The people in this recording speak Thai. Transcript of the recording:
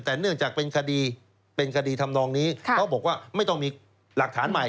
แต่เนื่องจากเป็นคดีเป็นคดีทำนองนี้เขาบอกว่าไม่ต้องมีหลักฐานใหม่